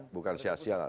ya bukan sia sia lah